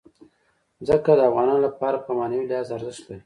ځمکه د افغانانو لپاره په معنوي لحاظ ارزښت لري.